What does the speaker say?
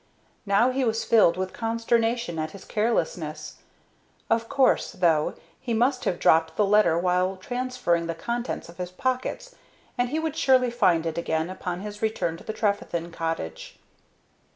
Now he was filled with consternation at his carelessness. Of course, though, he must have dropped the letter while transferring the contents of his pockets, and he would surely find it again upon his return to the Trefethen cottage.